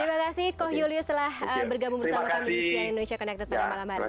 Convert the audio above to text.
terima kasih koh julius telah bergabung bersama kami di sian indonesia connected pada malam hari ini